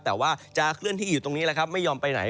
แต่ว่าจะเคลื่อนที่อยู่ตรงนี้ไม่ยอมไปไหน